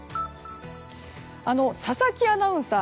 佐々木アナウンサー。